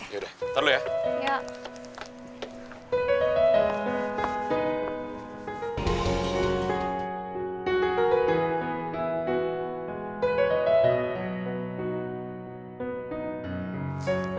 yaudah ntar dulu ya